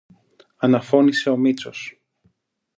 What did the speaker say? αναφώνησε ο Μήτσος.